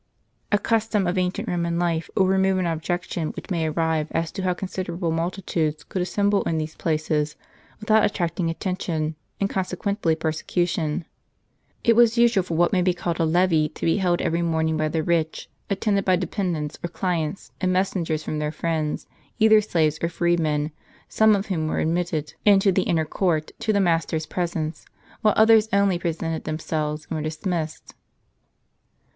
A custom of ancient Eoman life will remove an objection which may arise, as to how considerable multitudes could assemble in these places without attracting attention, and consequently persecution. It was usual for what may be called a lev^e to be held every morning by the rich, attended by dependents, or clients, and messengers from their friends, either slaves or freedmen, some of whom were admitted into * Euseb. E. H. 1. vi. c. 43. the inner court, to the master's presence, while others only presented themselves, and were dismissed.